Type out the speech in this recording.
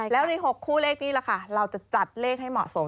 แล้วใน๖คู่เลขนี้ล่ะค่ะเราจะจัดเลขให้เหมาะสม